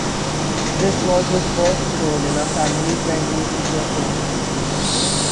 This was his first role in a family-friendly feature film.